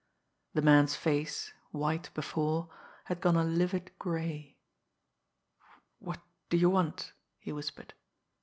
The man's face, white before, had gone a livid gray. "W what do you want?" he whispered.